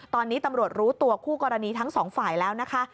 ตอนนี้ตำรวจรู้ตัวคู่กรณีทั้งสองฝ่ายแล้วนะคะ